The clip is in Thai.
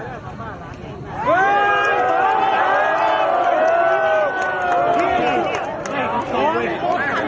สวัสดีทุกคน